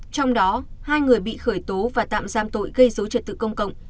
trong đó hai người bị khởi tố và tạm giam tội gây dối trật tự công cộng